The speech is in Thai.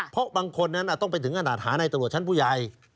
เพราะบางคนนั้นต้องไปถึงขนาดหาในตำรวจชั้นผู้ใหญ่